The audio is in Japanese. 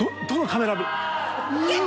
どのカメラに。